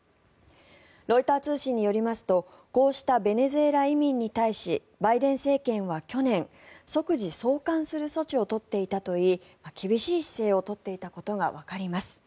ロイター通信によりますとこうしたベネズエラ移民に対しバイデン政権は去年即時送還する措置を取っていたといい厳しい姿勢を取っていたことがわかります。